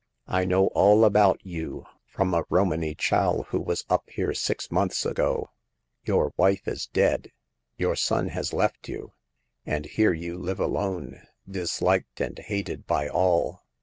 " I know all about you from a Romany chal who was up here six months ago. Your wife is dead ; your son has left you ; and here you live alone, disliked and hated by all.